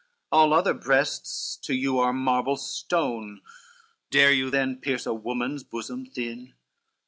All other breasts to you are marble stone, Dare you then pierce a woman's bosom thin?